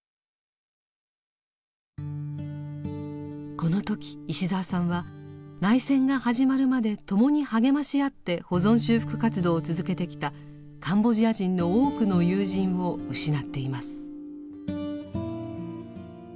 この時石澤さんは内戦が始まるまで共に励まし合って保存修復活動を続けてきたカンボジア人の多くの友人を失っています。